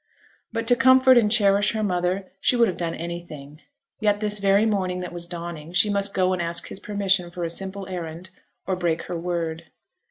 But to comfort and cherish her mother she would have done anything; yet this very morning that was dawning, she must go and ask his permission for a simple errand, or break her word.